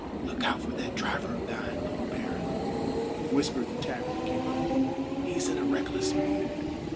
" Look out for that driver of thine, little baron," whispered the tavern keeper. " He's in a reckless mood.